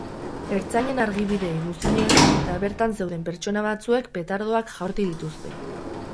Ertzainen argibideei muzin egin, eta bertan zeuden pertsona batzuek petardoak jaurti dituzte.